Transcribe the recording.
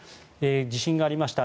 地震がありました。